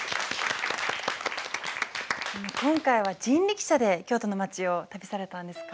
今回は人力車で京都の町を旅されたんですか？